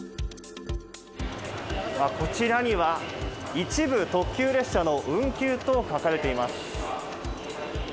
あっ、こちらには、一部特急列車の運休と書かれています。